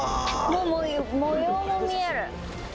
もう模様も見える。